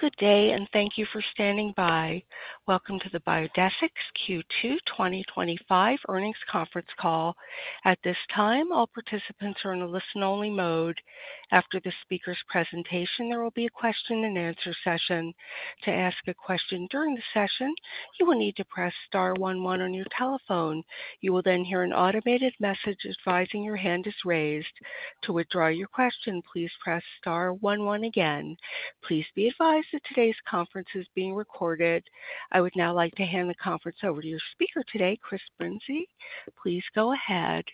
Good day, and thank you for standing by. Welcome to the Biodesix Q2 2025 Earnings Conference Call. At this time, all participants are in a listen-only mode. After the speaker's presentation, there will be a question and answer session. To ask a question during the session, you will need to press star one one on your telephone. You will then hear an automated message advising your hand is raised. To withdraw your question, please press star one one again. Please be advised that today's conference is being recorded. I would now like to hand the conference over to your speaker today, Chris Brinzey. Please go ahead.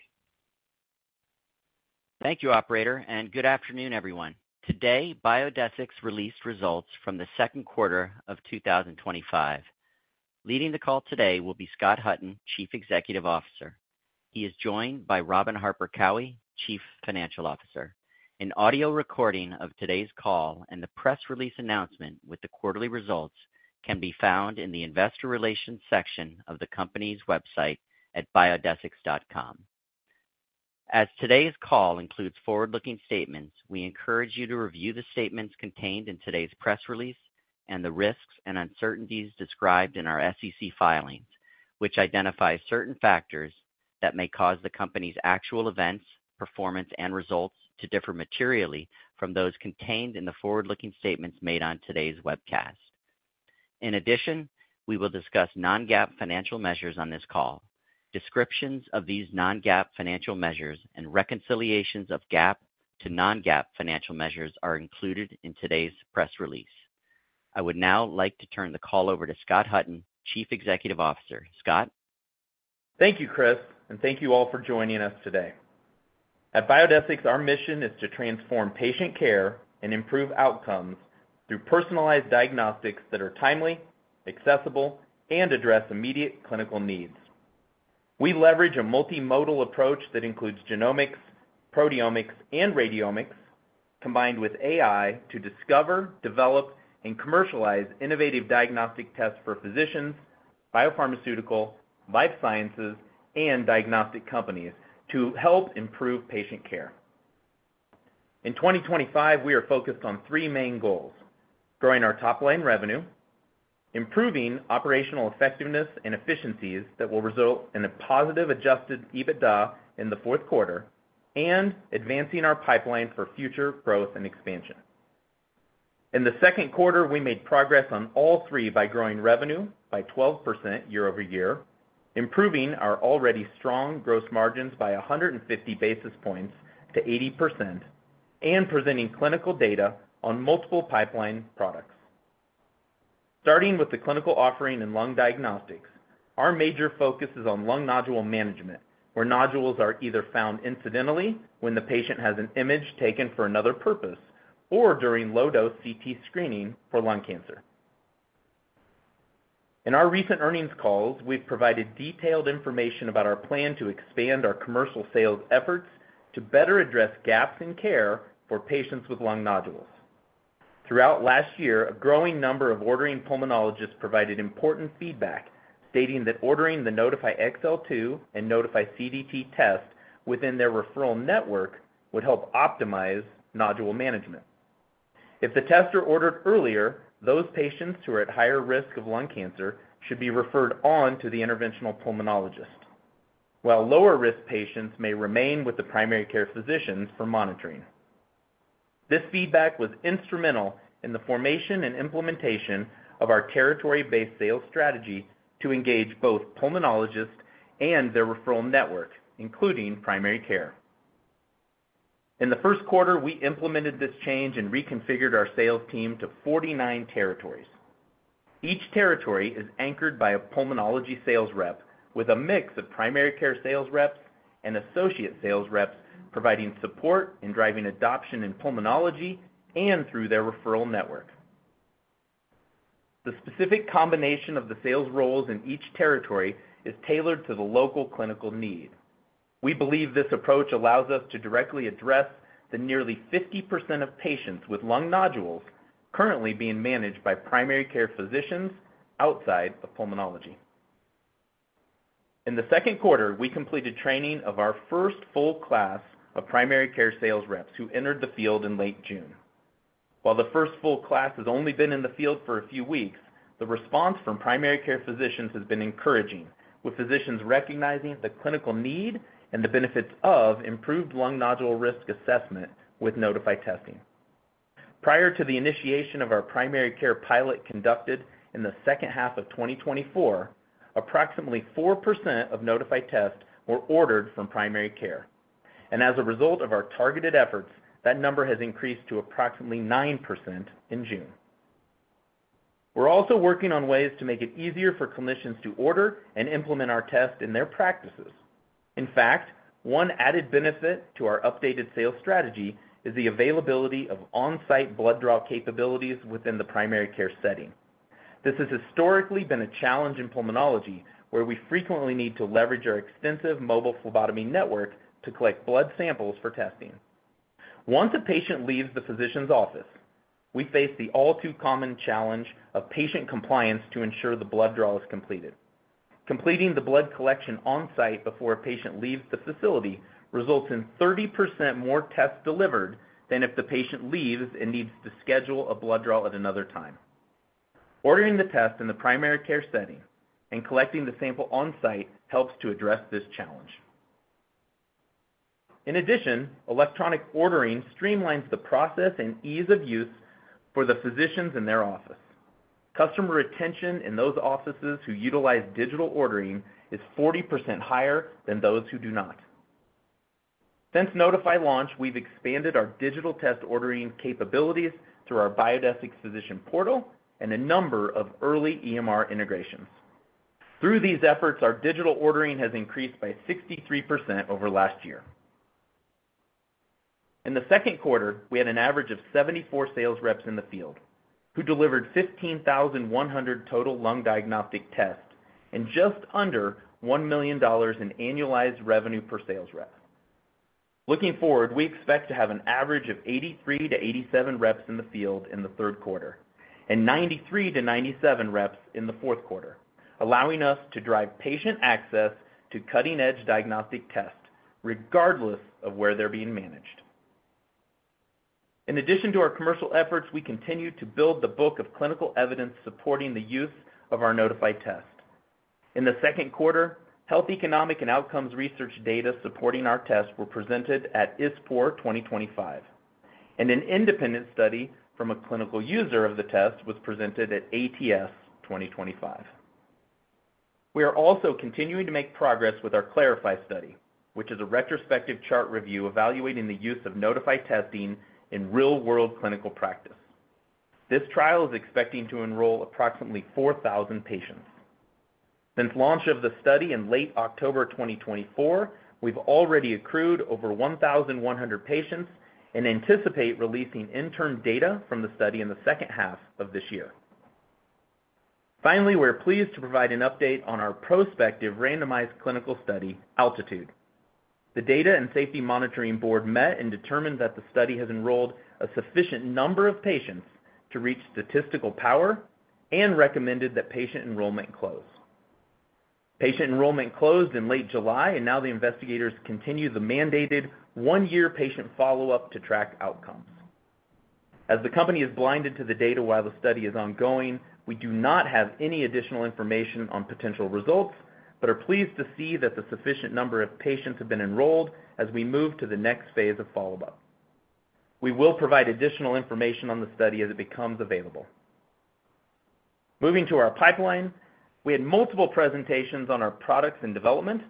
Thank you, operator, and good afternoon, everyone. Today, Biodesix released results from the second quarter of 2025. Leading the call today will be Scott Hutton, Chief Executive Officer. He is joined by Robin Harper Cowie, Chief Financial Officer. An audio recording of today's call and the press release announcement with the quarterly results can be found in the Investor Relations section of the company's website at biodesix.com. As today's call includes forward-looking statements, we encourage you to review the statements contained in today's press release and the risks and uncertainties described in our SEC filings, which identify certain factors that may cause the company's actual events, performance, and results to differ materially from those contained in the forward-looking statements made on today's webcast. In addition, we will discuss non-GAAP financial measures on this call. Descriptions of these non-GAAP financial measures and reconciliations of GAAP to non-GAAP financial measures are included in today's press release. I would now like to turn the call over to Scott Hutton, Chief Executive Officer. Scott. Thank you, Chris, and thank you all for joining us today. At Biodesix, our mission is to transform patient care and improve outcomes through personalized diagnostics that are timely, accessible, and address immediate clinical needs. We leverage a multimodal approach that includes genomics, proteomics, and radiomics, combined with AI to discover, develop, and commercialize innovative diagnostic tests for physicians, biopharmaceutical, life sciences, and diagnostic companies to help improve patient care. In 2025, we are focused on three main goals: growing our top-line revenue, improving operational effectiveness and efficiencies that will result in a positive adjusted EBITDA in the fourth quarter, and advancing our pipeline for future growth and expansion. In the second quarter, we made progress on all three by growing revenue by 12% year-over-year, improving our already strong gross margins by 150 basis points to 80%, and presenting clinical data on multiple pipeline products. Starting with the clinical offering in lung diagnostics, our major focus is on lung nodule management, where nodules are either found incidentally when the patient has an image taken for another purpose or during low-dose CT screening for lung cancer. In our recent earnings calls, we've provided detailed information about our plan to expand our commercial sales efforts to better address gaps in care for patients with lung nodules. Throughout last year, a growing number of ordering pulmonologists provided important feedback, stating that ordering the Nodify XL2 and Nodify CDT test within their referral network would help optimize nodule management. If the tests are ordered earlier, those patients who are at higher risk of lung cancer should be referred on to the interventional pulmonologist, while lower-risk patients may remain with the primary care physicians for monitoring. This feedback was instrumental in the formation and implementation of our territory-based sales strategy to engage both pulmonologists and their referral network, including primary care. In the first quarter, we implemented this change and reconfigured our sales team to 49 territories. Each territory is anchored by a pulmonology sales rep, with a mix of primary care sales reps and associate sales reps providing support and driving adoption in pulmonology and through their referral network. The specific combination of the sales roles in each territory is tailored to the local clinical need. We believe this approach allows us to directly address the nearly 50% of patients with lung nodules currently being managed by primary care physicians outside of pulmonology. In the second quarter, we completed training of our first full class of primary care sales reps who entered the field in late June. While the first full class has only been in the field for a few weeks, the response from primary care physicians has been encouraging, with physicians recognizing the clinical need and the benefits of improved lung nodule risk assessment with Nodify testing. Prior to the initiation of our primary care pilot conducted in the second half of 2024, approximately 4% of Nodify tests were ordered from primary care. As a result of our targeted efforts, that number has increased to approximately 9% in June. We're also working on ways to make it easier for clinicians to order and implement our tests in their practices. In fact, one added benefit to our updated sales strategy is the availability of on-site blood draw capabilities within the primary care setting. This has historically been a challenge in pulmonology, where we frequently need to leverage our extensive mobile phlebotomy network to collect blood samples for testing. Once a patient leaves the physician's office, we face the all-too-common challenge of patient compliance to ensure the blood draw is completed. Completing the blood collection on-site before a patient leaves the facility results in 30% more tests delivered than if the patient leaves and needs to schedule a blood draw at another time. Ordering the test in the primary care setting and collecting the sample on-site helps to address this challenge. In addition, electronic ordering streamlines the process and ease of use for the physicians in their office. Customer retention in those offices who utilize digital ordering is 40% higher than those who do not. Since Nodify launch, we've expanded our digital test ordering capabilities through our Biodesix Physician Portal and a number of early EMR integrations. Through these efforts, our digital ordering has increased by 63% over last year. In the second quarter, we had an average of 74 sales reps in the field who delivered 15,100 total lung diagnostic tests and just under $1 million in annualized revenue per sales rep. Looking forward, we expect to have an average of 83-87 reps in the field in the third quarter and 93-97 reps in the fourth quarter, allowing us to drive patient access to cutting-edge diagnostic tests regardless of where they're being managed. In addition to our commercial efforts, we continue to build the book of clinical evidence supporting the use of our Nodify test. In the second quarter, health economic and outcomes research data supporting our test were presented at ISPOR 2025, and an independent study from a clinical user of the test was presented at ATS 2025. We are also continuing to make progress with our Clarify study, which is a retrospective chart review evaluating the use of Nodify testing in real-world clinical practice. This trial is expecting to enroll approximately 4,000 patients. Since launch of the study in late October 2024, we've already accrued over 1,100 patients and anticipate releasing interim data from the study in the second half of this year. Finally, we're pleased to provide an update on our prospective randomized clinical study, Altitude. The Data and Safety Monitoring Board met and determined that the study has enrolled a sufficient number of patients to reach statistical power and recommended that patient enrollment close. Patient enrollment closed in late July, and now the investigators continue the mandated one-year patient follow-up to track outcomes. As the company is blinded to the data while the study is ongoing, we do not have any additional information on potential results but are pleased to see that the sufficient number of patients have been enrolled as we move to the next phase of follow-up. We will provide additional information on the study as it becomes available. Moving to our pipeline, we had multiple presentations on our products and development.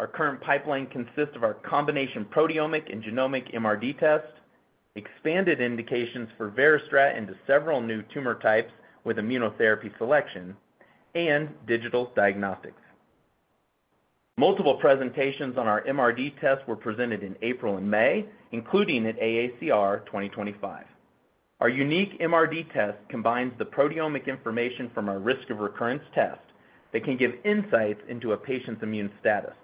Our current pipeline consists of our combination proteomic and genomic MRD test, expanded indications for VeriStrat into several new tumor types with immunotherapy selection, and digital diagnostics. Multiple presentations on our MRD tests were presented in April and May, including at AACR 2025. Our unique MRD test combines the proteomic information from our risk of recurrence test that can give insights into a patient's immune status,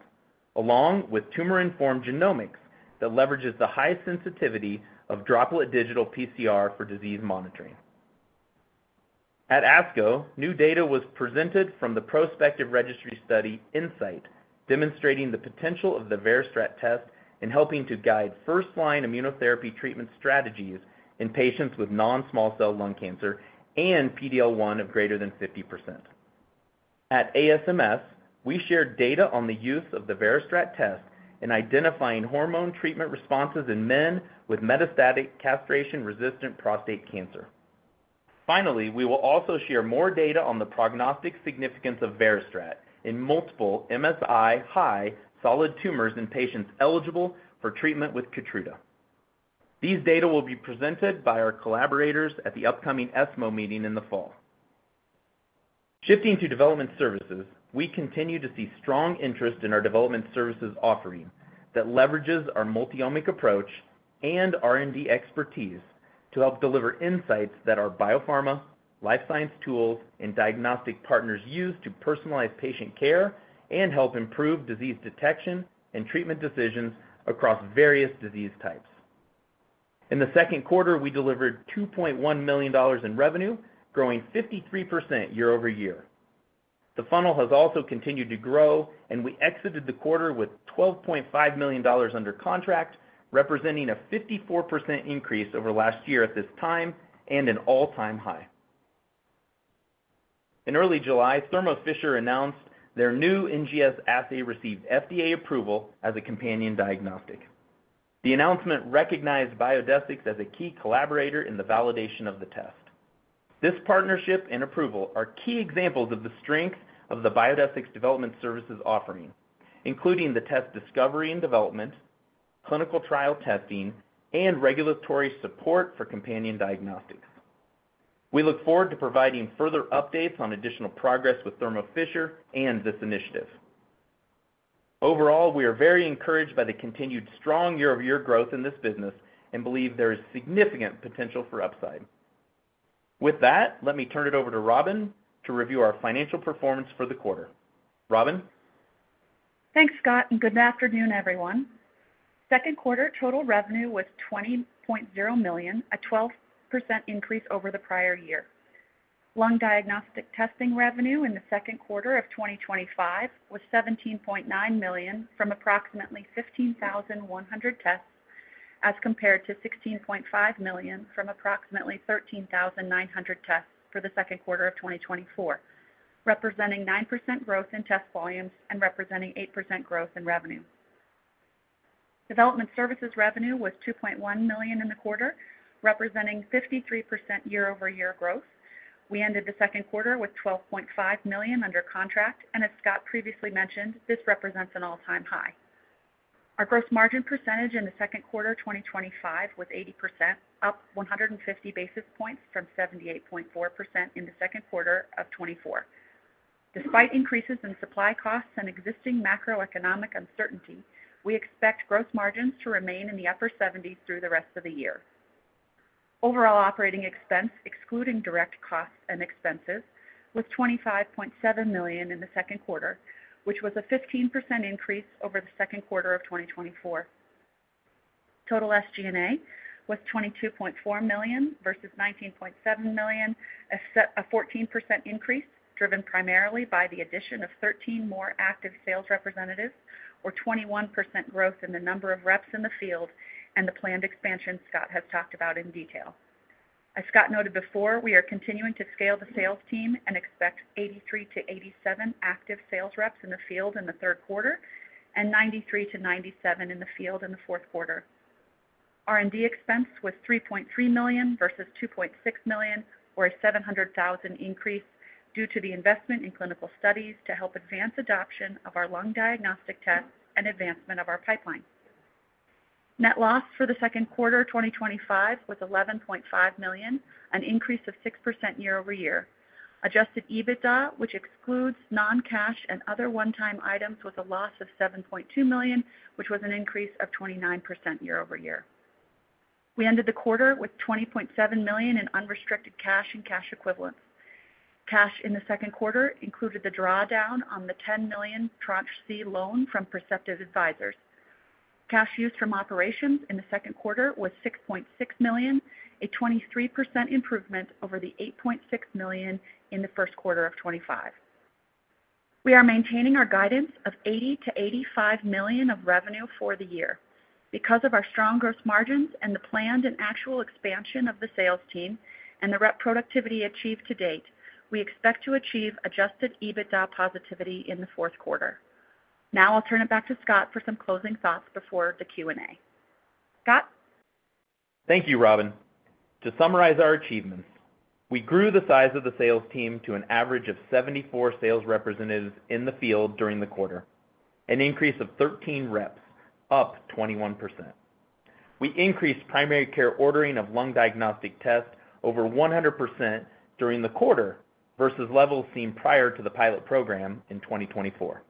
along with tumor-informed genomics that leverages the high sensitivity of droplet digital PCR for disease monitoring. At ASCO, new data was presented from the prospective registry study Insight, demonstrating the potential of the VeriStrat test in helping to guide first-line immunotherapy treatment strategies in patients with non-small cell lung cancer and PD-L1 of greater than 50%. At ASMS, we shared data on the use of the VeriStrat test in identifying hormone treatment responses in men with metastatic castration-resistant prostate cancer. Finally, we will also share more data on the prognostic significance of VeriStrat in multiple MSI high solid tumors in patients eligible for treatment with Keytruda. These data will be presented by our collaborators at the upcoming ESMO meeting in the fall. Shifting to development services, we continue to see strong interest in our development services offering that leverages our multi-omic approach and R&D expertise to help deliver insights that our biopharma, life science tools, and diagnostic partners use to personalize patient care and help improve disease detection and treatment decisions across various disease types. In the second quarter, we delivered $2.1 million in revenue, growing 53% year over year. The funnel has also continued to grow, and we exited the quarter with $12.5 million under contract, representing a 54% increase over last year at this time and an all-time high. In early July, Thermo Fisher Scientific announced their new NGS assay received FDA approval as a companion diagnostic. The announcement recognized Biodesix as a key collaborator in the validation of the test. This partnership and approval are key examples of the strength of the Biodesix development services offering, including the test discovery and development, clinical trial testing, and regulatory support for companion diagnostics. We look forward to providing further updates on additional progress with Thermo Fisher Scientific and this initiative. Overall, we are very encouraged by the continued strong year-over-year growth in this business and believe there is significant potential for upside. With that, let me turn it over to Robin to review our financial performance for the quarter. Robin. Thanks, Scott, and good afternoon, everyone. Second quarter total revenue was $20.0 million, a 12% increase over the prior year. Lung diagnostic testing revenue in the second quarter of 2025 was $17.9 million from approximately 15,100 tests, as compared to $16.5 million from approximately 13,900 tests for the second quarter of 2024, representing 9% growth in test volumes and representing 8% growth in revenue. Development services revenue was $2.1 million in the quarter, representing 53% year-over-year growth. We ended the second quarter with $12.5 million under contract, and as Scott previously mentioned, this represents an all-time high. Our gross margin percentage in the second quarter of 2025 was 80%, up 150 basis points from 78.4% in the second quarter of 2024. Despite increases in supply costs and existing macroeconomic uncertainty, we expect gross margins to remain in the upper 70s through the rest of the year. Overall operating expense, excluding direct costs and expenses, was $25.7 million in the second quarter, which was a 15% increase over the second quarter of 2024. Total SG&A was $22.4 million versus $19.7 million, a 14% increase driven primarily by the addition of 13 more active sales representatives, or 21% growth in the number of reps in the field and the planned expansion Scott has talked about in detail. As Scott noted before, we are continuing to scale the sales team and expect 83-87 active sales reps in the field in the third quarter and 93-97 in the field in the fourth quarter. R&D expense was $3.3 million versus $2.6 million, or a $700,000 increase due to the investment in clinical studies to help advance adoption of our lung diagnostic tests and advancement of our pipeline. Net loss for the second quarter of 2025 was $11.5 million, an increase of 6% year-over-year. Adjusted EBITDA, which excludes non-cash and other one-time items, was a loss of $7.2 million, which was an increase of 29% year-over-year. We ended the quarter with $20.7 million in unrestricted cash and cash equivalents. Cash in the second quarter included the drawdown on the $10 million Tranche C loan from Perceptive Advisors. Cash use from operations in the second quarter was $6.6 million, a 23% improvement over the $8.6 million in the first quarter of 2025. We are maintaining our guidance of $80-$85 million of revenue for the year. Because of our strong gross margins and the planned and actual expansion of the sales team and the rep productivity achieved to date, we expect to achieve adjusted EBITDA positivity in the fourth quarter. Now I'll turn it back to Scott for some closing thoughts before the Q&A. Scott? Thank you, Robin. To summarize our achievements, we grew the size of the sales team to an average of 74 sales representatives in the field during the quarter, an increase of 13 reps, up 21%. We increased primary care ordering of lung diagnostic tests over 100% during the quarter versus levels seen prior to the pilot program in 2024.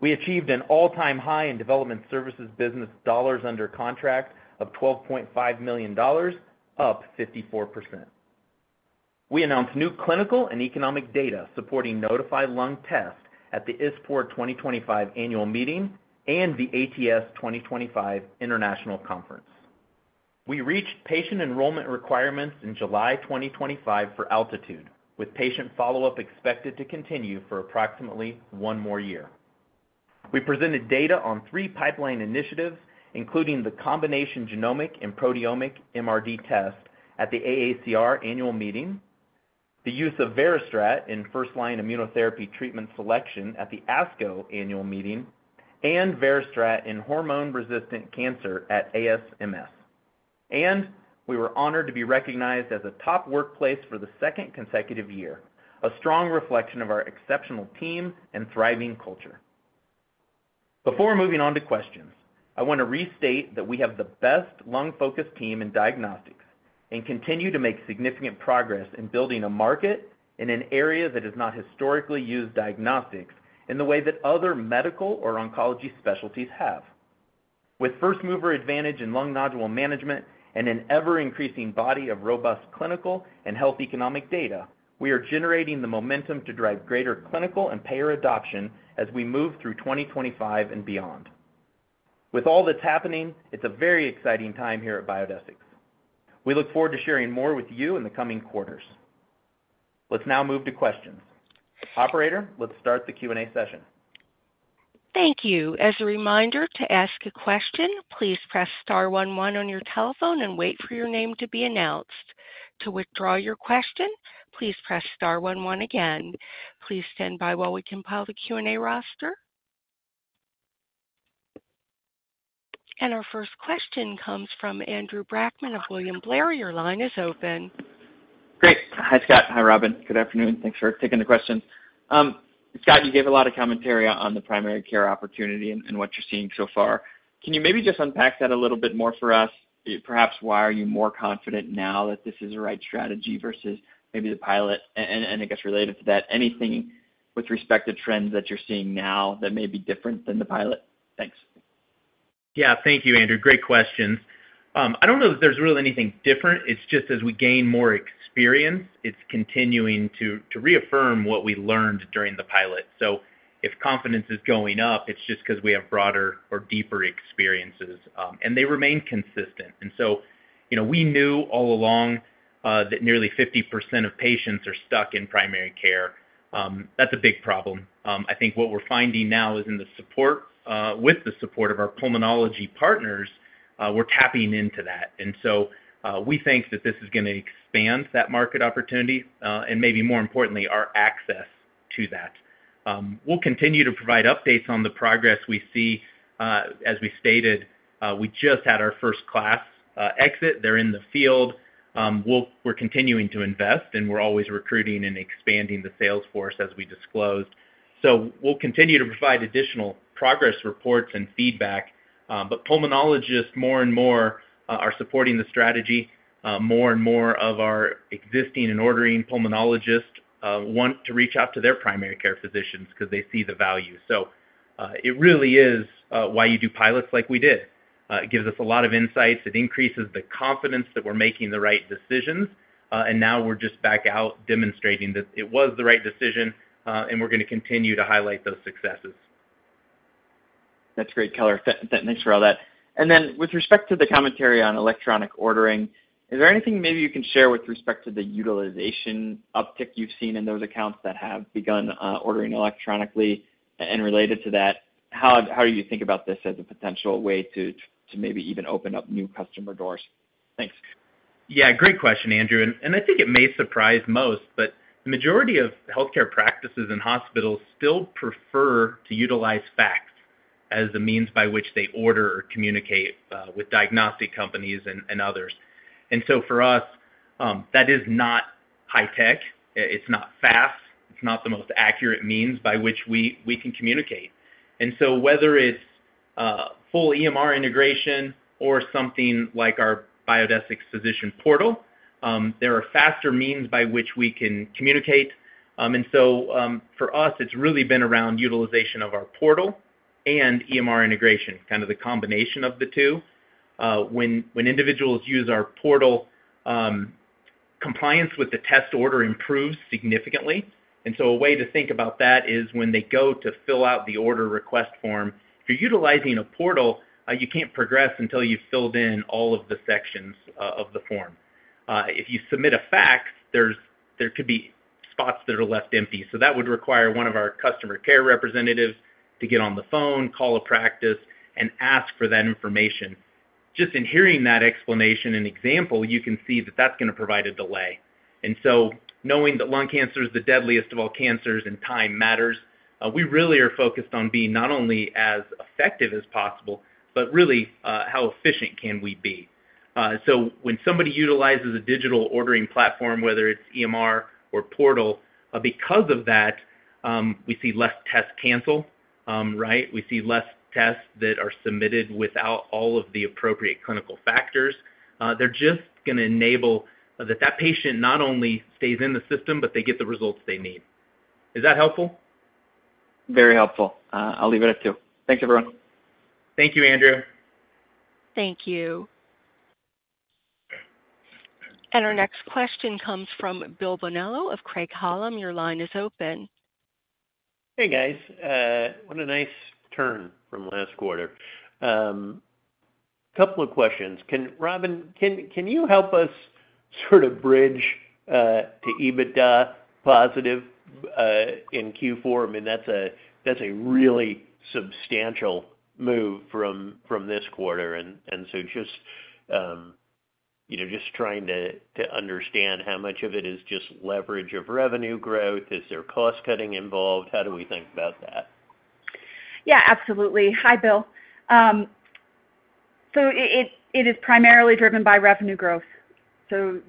We achieved an all-time high in development services business dollars under contract of $12.5 million, up 54%. We announced new clinical and economic data supporting Nodify Lung Test at the ISPOR 2025 annual meeting and the ATS 2025 International Conference. We reached patient enrollment requirements in July 2025 for Altitude, with patient follow-up expected to continue for approximately one more year. We presented data on three pipeline initiatives, including the combination genomic and proteomic MRD test at the AACR annual meeting, the use of VeriStrat in first-line immunotherapy treatment selection at the ASCO annual meeting, and VeriStrat in hormone-resistant cancer at ASMS. We were honored to be recognized as a top workplace for the second consecutive year, a strong reflection of our exceptional team and thriving culture. Before moving on to questions, I want to restate that we have the best lung-focused team in diagnostics and continue to make significant progress in building a market in an area that has not historically used diagnostics in the way that other medical or oncology specialties have. With first-mover advantage in lung nodule management and an ever-increasing body of robust clinical and health economic data, we are generating the momentum to drive greater clinical and payer adoption as we move through 2025 and beyond. With all that's happening, it's a very exciting time here at Biodesix. We look forward to sharing more with you in the coming quarters. Let's now move to questions. Operator, let's start the Q&A session. Thank you. As a reminder, to ask a question, please press star one one on your telephone and wait for your name to be announced. To withdraw your question, please press star one one again. Please stand by while we compile the Q&A roster. Our first question comes from Andrew Brackmann of William Blair. Your line is open. Hi, Scott. Hi, Robin. Good afternoon. Thanks for taking the question. Scott, you gave a lot of commentary on the primary care opportunity and what you're seeing so far. Can you maybe just unpack that a little bit more for us? Perhaps, why are you more confident now that this is the right strategy versus maybe the pilot? I guess related to that, anything with respect to trends that you're seeing now that may be different than the pilot? Thanks. Yeah, thank you, Andrew. Great questions. I don't know that there's really anything different. It's just as we gain more experience, it's continuing to reaffirm what we learned during the pilot. If confidence is going up, it's just because we have broader or deeper experiences, and they remain consistent. We knew all along that nearly 50% of patients are stuck in primary care. That's a big problem. I think what we're finding now is, with the support of our pulmonology partners, we're tapping into that. We think that this is going to expand that market opportunity and maybe more importantly, our access to that. We'll continue to provide updates on the progress we see. As we stated, we just had our first class exit. They're in the field. We're continuing to invest, and we're always recruiting and expanding the sales force as we disclosed. We'll continue to provide additional progress reports and feedback. Pulmonologists more and more are supporting the strategy. More and more of our existing and ordering pulmonologists want to reach out to their primary care physicians because they see the value. It really is why you do pilots like we did. It gives us a lot of insights. It increases the confidence that we're making the right decisions. Now we're just back out demonstrating that it was the right decision, and we're going to continue to highlight those successes. That's great. Thanks for all that. With respect to the commentary on electronic ordering, is there anything you can share with respect to the utilization uptick you've seen in those accounts that have begun ordering electronically? Related to that, how do you think about this as a potential way to maybe even open up new customer doors? Thanks. Yeah, great question, Andrew. I think it may surprise most, but the majority of healthcare practices and hospitals still prefer to utilize fax as the means by which they order or communicate with diagnostic companies and others. For us, that is not high tech. It's not fast. It's not the most accurate means by which we can communicate. Whether it's full EMR integration or something like our Biodesix Physician Portal, there are faster means by which we can communicate. For us, it's really been around utilization of our portal and EMR integration, kind of the combination of the two. When individuals use our portal, compliance with the test order improves significantly. A way to think about that is when they go to fill out the order request form, if you're utilizing a portal, you can't progress until you've filled in all of the sections of the form. If you submit a fax, there could be spots that are left empty. That would require one of our customer care representatives to get on the phone, call a practice, and ask for that information. Just in hearing that explanation and example, you can see that that's going to provide a delay. Knowing that lung cancer is the deadliest of all cancers and time matters, we really are focused on being not only as effective as possible, but really how efficient can we be? When somebody utilizes a digital ordering platform, whether it's EMR or portal, because of that, we see less tests cancel, right? We see less tests that are submitted without all of the appropriate clinical factors. They're just going to enable that that patient not only stays in the system, but they get the results they need. Is that helpful? Very helpful. I'll leave it at two. Thanks, everyone. Thank you, Andrew. Thank you. Our next question comes from William Bonello of Craig-Hallum. Your line is open. Hey, guys. What a nice turn from last quarter. A couple of questions. Robin, can you help us sort of bridge to EBITDA positive in Q4? I mean, that's a really substantial move from this quarter. Just trying to understand how much of it is just leverage of revenue growth. Is there cost cutting involved? How do we think about that? Yeah, absolutely. Hi, Bill. It is primarily driven by revenue growth.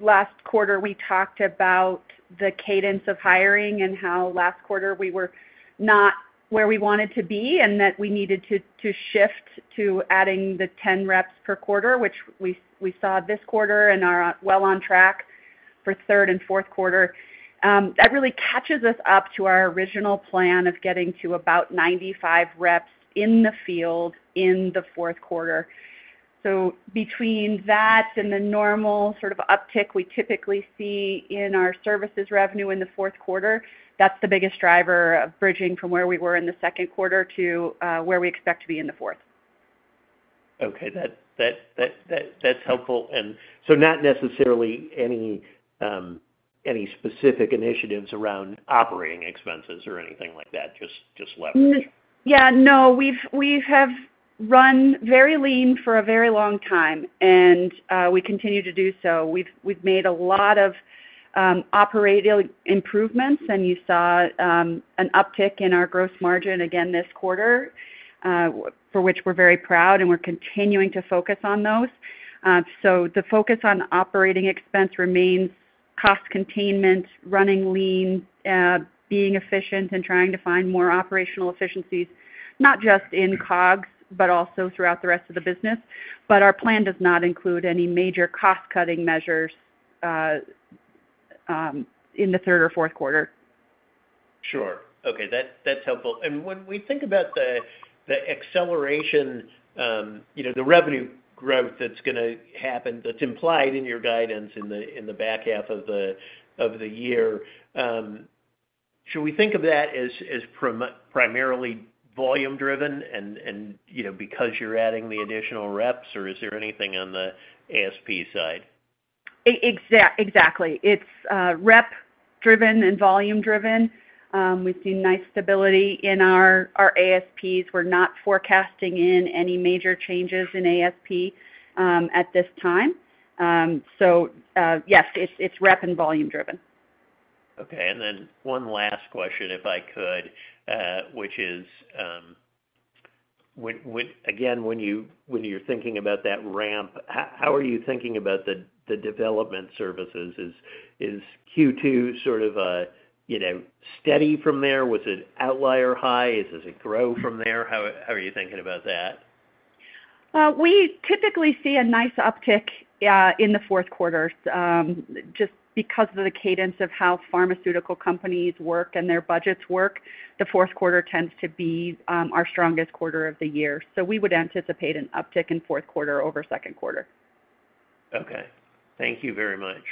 Last quarter, we talked about the cadence of hiring and how last quarter we were not where we wanted to be and that we needed to shift to adding the 10 reps per quarter, which we saw this quarter and are well on track for third and fourth quarter. That really catches us up to our original plan of getting to about 95 reps in the field in the fourth quarter. Between that and the normal sort of uptick we typically see in our services revenue in the fourth quarter, that's the biggest driver of bridging from where we were in the second quarter to where we expect to be in the fourth. Okay, that's helpful. Not necessarily any specific initiatives around operating expenses or anything like that, just web. Yeah, no, we have run very lean for a very long time, and we continue to do so. We've made a lot of operating improvements, and you saw an uptick in our gross margin again this quarter, for which we're very proud, and we're continuing to focus on those. The focus on operating expense remains cost containment, running lean, being efficient, and trying to find more operational efficiencies, not just in COGS, but also throughout the rest of the business. Our plan does not include any major cost-cutting measures in the third or fourth quarter. Okay, that's helpful. When we think about the acceleration, the revenue growth that's going to happen that's implied in your guidance in the back half of the year, should we think of that as primarily volume-driven because you're adding the additional reps, or is there anything on the ASP side? Exactly. It's rep-driven and volume-driven. We've seen nice stability in our ASPs. We're not forecasting any major changes in ASP at this time. Yes, it's rep and volume-driven. Okay. One last question, if I could, which is, again, when you're thinking about that ramp, how are you thinking about the diagnostic development services? Is Q2 sort of steady from there? Was it outlier high? Does it grow from there? How are you thinking about that? We typically see a nice uptick in the fourth quarter. Just because of the cadence of how pharmaceutical companies work and their budgets work, the fourth quarter tends to be our strongest quarter of the year. We would anticipate an uptick in fourth quarter over second quarter. Okay, thank you very much.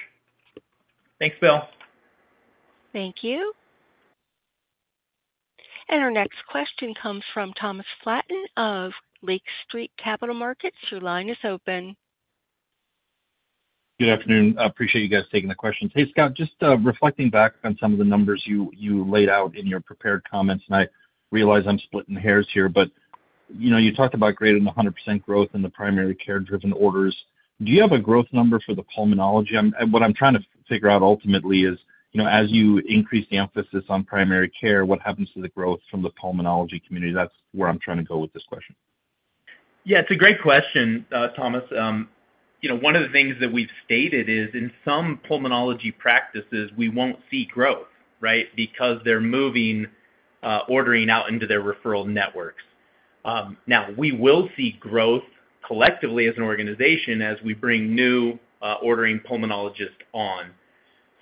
Thanks, Will. Thank you. Our next question comes from Thomas Flaten of Lake Street Capital Markets. Your line is open. Good afternoon. I appreciate you guys taking the question. Hey, Scott, just reflecting back on some of the numbers you laid out in your prepared comments, and I realize I'm splitting hairs here, but you talked about greater than 100% growth in the primary care-driven orders. Do you have a growth number for the pulmonology? What I'm trying to figure out ultimately is, as you increase the emphasis on primary care, what happens to the growth from the pulmonology community? That's where I'm trying to go with this question. Yeah, it's a great question, Thomas. One of the things that we've stated is in some pulmonology practices, we won't see growth, right, because they're moving ordering out into their referral networks. Now, we will see growth collectively as an organization as we bring new ordering pulmonologists on.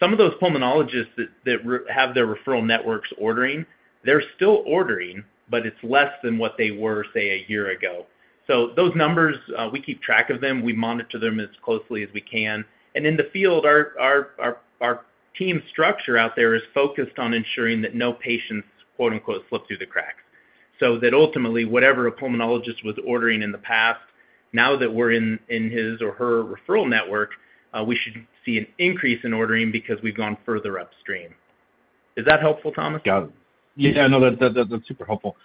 Some of those pulmonologists that have their referral networks ordering, they're still ordering, but it's less than what they were, say, a year ago. Those numbers, we keep track of them. We monitor them as closely as we can. In the field, our team structure out there is focused on ensuring that no patients, quote-unquote, "slip through the cracks." Ultimately, whatever a pulmonologist was ordering in the past, now that we're in his or her referral network, we should see an increase in ordering because we've gone further upstream. Is that helpful, Thomas? Got it. Yeah, no, that's super helpful.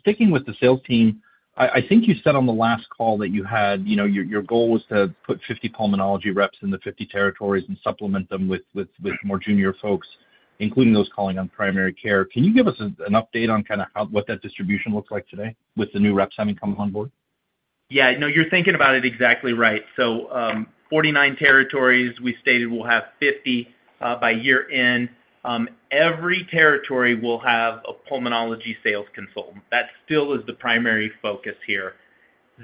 Sticking with the sales team, I think you said on the last call that your goal was to put 50 pulmonology reps in the 50 territories and supplement them with more junior folks, including those calling on primary care. Can you give us an update on what that distribution looks like today with the new reps having come on board? Yeah, no, you're thinking about it exactly right. 49 territories, we stated we'll have 50 by year-end. Every territory will have a Pulmonology Sales Consultant. That still is the primary focus here.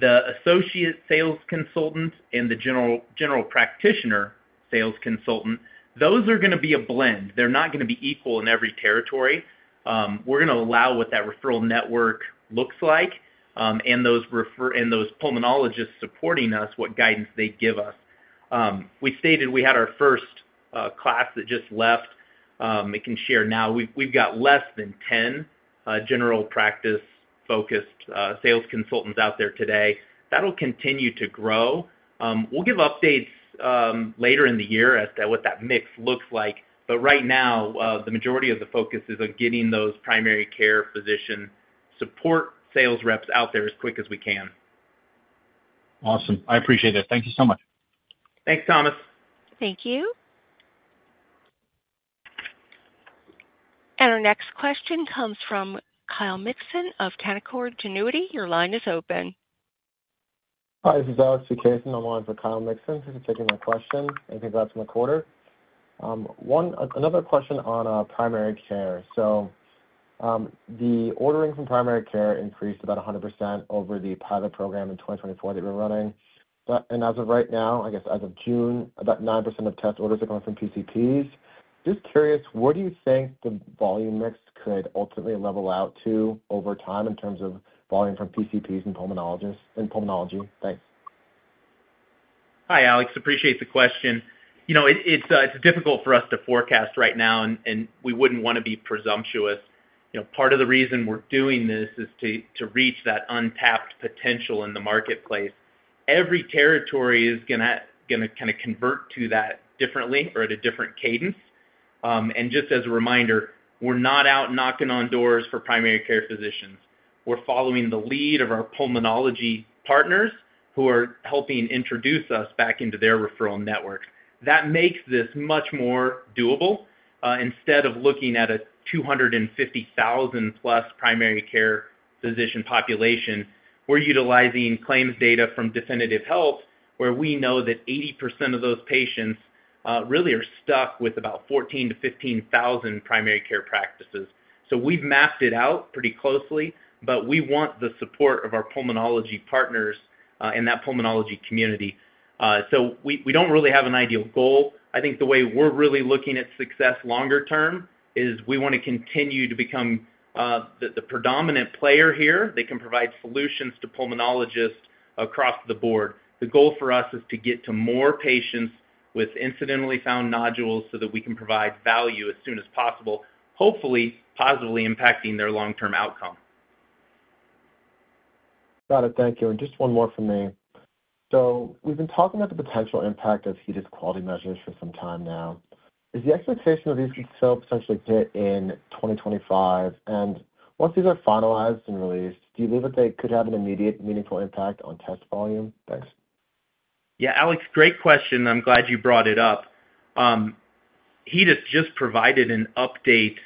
The Associate Sales Consultant and the General Practitioner Sales Consultant, those are going to be a blend. They're not going to be equal in every territory. We're going to allow what that referral network looks like and those pulmonologists supporting us, what guidance they give us. We stated we had our first class that just left. I can share now, we've got less than 10 general practice-focused sales consultants out there today. That'll continue to grow. We'll give updates later in the year as to what that mix looks like. Right now, the majority of the focus is on getting those primary care physician support sales reps out there as quick as we can. Awesome. I appreciate that. Thank you so much. Thanks, Thomas. Thank you. Our next question comes from Kyle Mikson of Canaccord Genuity. Your line is open. Hi, this is Alex McKay from the line for Kyle Mikson. Thank you for taking my question. Anything to add to my quarter? One, another question on primary care. The ordering from primary care increased about 100% over the pilot program in 2024 that we're running. As of right now, I guess as of June, about 9% of test orders are coming from PCPs. Just curious, what do you think the volume mix could ultimately level out to over time in terms of volume from PCPs and pulmonologists and pulmonology? Thanks. Hi, Alex. Appreciate the question. You know, it's difficult for us to forecast right now, and we wouldn't want to be presumptuous. Part of the reason we're doing this is to reach that untapped potential in the marketplace. Every territory is going to kind of convert to that differently or at a different cadence. Just as a reminder, we're not out knocking on doors for primary care physicians. We're following the lead of our pulmonology partners who are helping introduce us back into their referral networks. That makes this much more doable. Instead of looking at a 250,000-plus primary care physician population, we're utilizing claims data from Definitive Health, where we know that 80% of those patients really are stuck with about 14,000-15,000 primary care practices. We've mapped it out pretty closely, but we want the support of our pulmonology partners in that pulmonology community. We don't really have an ideal goal. I think the way we're really looking at success longer term is we want to continue to become the predominant player here that can provide solutions to pulmonologists across the board. The goal for us is to get to more patients with incidentally found nodules so that we can provide value as soon as possible, hopefully positively impacting their long-term outcome. Got it. Thank you. Just one more from me. We've been talking about the potential impact of HEDIS quality measures for some time now. Is the expectation that these could still potentially hit in 2025? Once these are finalized and released, do you believe that they could have an immediate meaningful impact on test volume? Yeah, Alex, great question. I'm glad you brought it up. HEDIS just provided an update.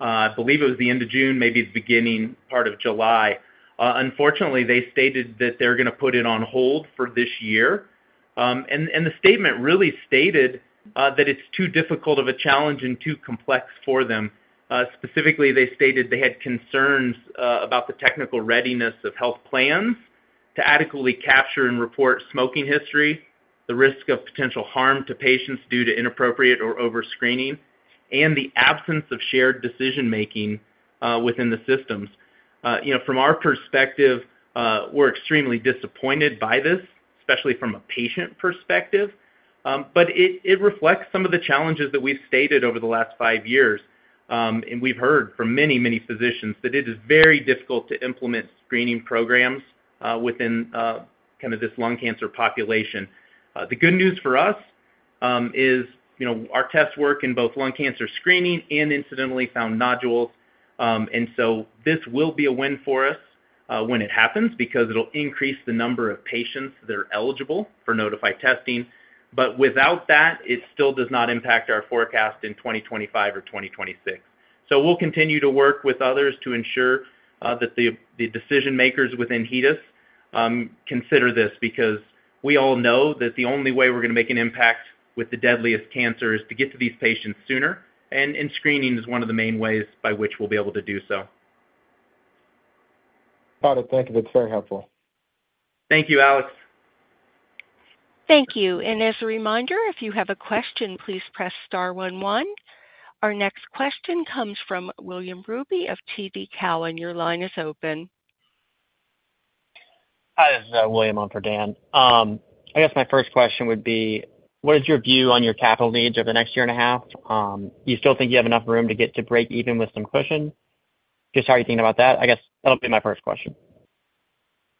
I believe it was the end of June, maybe the beginning part of July. Unfortunately, they stated that they're going to put it on hold for this year. The statement really stated that it's too difficult of a challenge and too complex for them. Specifically, they stated they had concerns about the technical readiness of health plans to adequately capture and report smoking history, the risk of potential harm to patients due to inappropriate or overscreening, and the absence of shared decision-making within the systems. From our perspective, we're extremely disappointed by this, especially from a patient perspective. It reflects some of the challenges that we've stated over the last five years. We've heard from many, many physicians that it is very difficult to implement screening programs within kind of this lung cancer population. The good news for us is our tests work in both lung cancer screening and incidentally found nodules. This will be a win for us when it happens because it'll increase the number of patients that are eligible for Nodify Testing. Without that, it still does not impact our forecast in 2025 or 2026. We will continue to work with others to ensure that the decision-makers within HEDIS consider this because we all know that the only way we're going to make an impact with the deadliest cancer is to get to these patients sooner. Screening is one of the main ways by which we'll be able to do so. Got it. Thank you. That's very helpful. Thank you, Alex. Thank you. As a reminder, if you have a question, please press star one one. Our next question comes from William Ruby of TD Cowen. Your line is open. Hi, this is William on for Dan. My first question would be, what is your view on your capital needs over the next year and a half? Do you still think you have enough room to get to break even with some cushion? How are you thinking about that? That'll be my first question.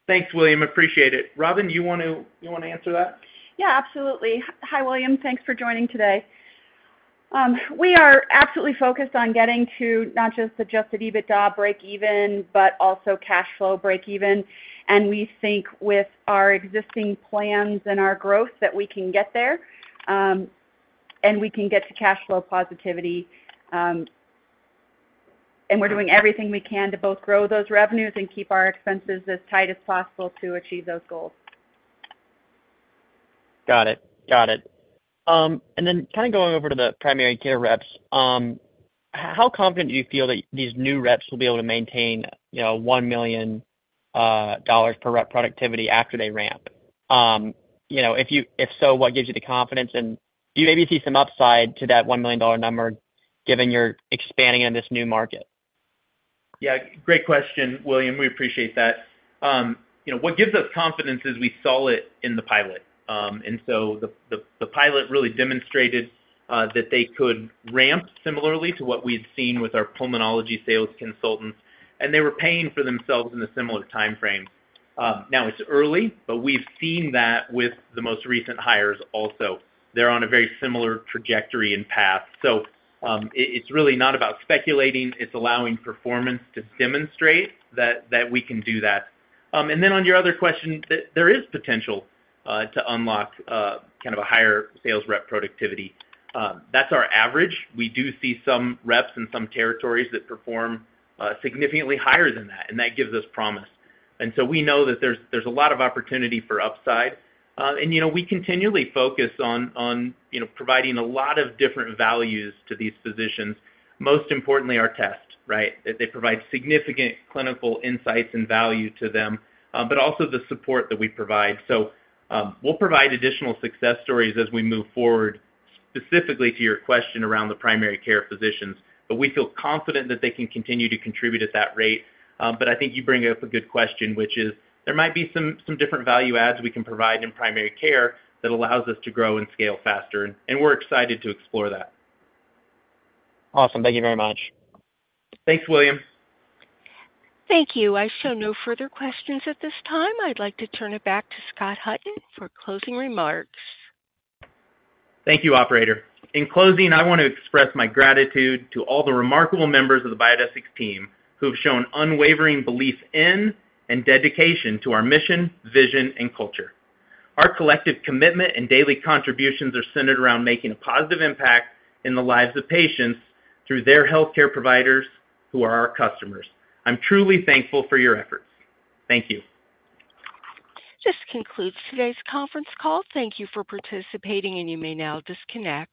Thanks, William. Appreciate it. Robin, you want to answer that? Yeah, absolutely. Hi, William. Thanks for joining today. We are absolutely focused on getting to not just the adjusted EBITDA break even, but also cash flow break even. We think with our existing plans and our growth that we can get there, and we can get to cash flow positivity. We're doing everything we can to both grow those revenues and keep our expenses as tight as possible to achieve those goals. Got it. Going over to the primary care reps, how confident do you feel that these new reps will be able to maintain, you know, $1 million per rep productivity after they ramp? If so, what gives you the confidence? Do you maybe see some upside to that $1 million number given you're expanding in this new market? Yeah, great question, William. We appreciate that. What gives us confidence is we saw it in the pilot. The pilot really demonstrated that they could ramp similarly to what we'd seen with our pulmonology sales consultants, and they were paying for themselves in a similar timeframe. Now it's early, but we've seen that with the most recent hires also. They're on a very similar trajectory and path. It's really not about speculating. It's allowing performance to demonstrate that we can do that. On your other question, there is potential to unlock kind of a higher sales rep productivity. That's our average. We do see some reps in some territories that perform significantly higher than that, and that gives us promise. We know that there's a lot of opportunity for upside. We continually focus on providing a lot of different values to these physicians. Most importantly, our tests, right? They provide significant clinical insights and value to them, but also the support that we provide. We'll provide additional success stories as we move forward, specifically to your question around the primary care physicians. We feel confident that they can continue to contribute at that rate. I think you bring up a good question, which is there might be some different value adds we can provide in primary care that allows us to grow and scale faster. We're excited to explore that. Awesome. Thank you very much. Thanks, William. Thank you. I show no further questions at this time. I'd like to turn it back to Scott Hutton for closing remarks. Thank you, operator. In closing, I want to express my gratitude to all the remarkable members of the Biodesix team who've shown unwavering belief in and dedication to our mission, vision, and culture. Our collective commitment and daily contributions are centered around making a positive impact in the lives of patients through their healthcare providers who are our customers. I'm truly thankful for your effort. Thank you. This concludes today's conference call. Thank you for participating, and you may now disconnect.